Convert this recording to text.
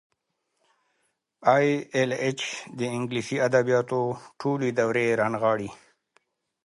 ای ایل ایچ د انګلیسي ادبیاتو ټولې دورې رانغاړي.